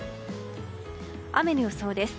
雨の予想です。